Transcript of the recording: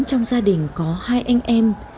trong gia đình có hai anh em